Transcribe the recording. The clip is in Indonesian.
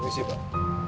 boleh sih pak